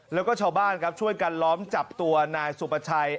แล้วก็ชาวบ้านครับช่วยกันล้อมจับตัวนายสุประชัย